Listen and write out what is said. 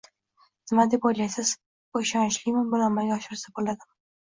Nima deb oʻylaysiz, bu ishonchlimi, buni amalga oshirsa boʻladimi?